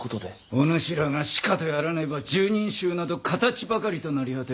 お主らがしかとやらねば十人衆など形ばかりと成り果てるぞ。